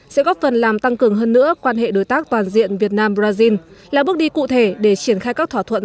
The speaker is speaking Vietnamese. sẽ góp phần làm tăng cường hơn nữa quan hệ đối tác toàn diện việt nam brazil là bước đi cụ thể để triển khai các thỏa thuận